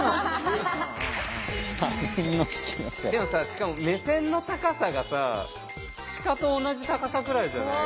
しかも目線の高さがさ鹿と同じ高さくらいじゃない？